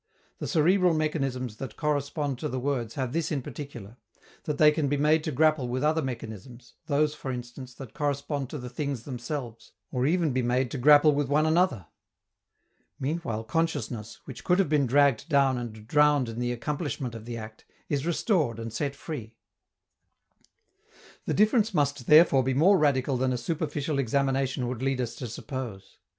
The cerebral mechanisms that correspond to the words have this in particular, that they can be made to grapple with other mechanisms, those, for instance, that correspond to the things themselves, or even be made to grapple with one another. Meanwhile consciousness, which would have been dragged down and drowned in the accomplishment of the act, is restored and set free. The difference must therefore be more radical than a superficial examination would lead us to suppose.